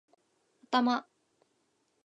頭